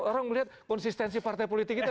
orang melihat konsistensi partai politik itu